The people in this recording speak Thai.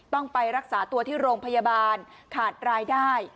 ต้องไปรักษาตัวที่โรงพยาบาลขาดรายได้